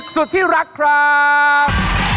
สุดที่รักครับ